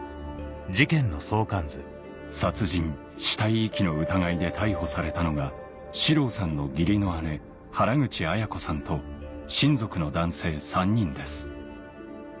殺人死体遺棄の疑いで逮捕されたのが四郎さんの義理の姉原口アヤ子さんと親族の男性３人です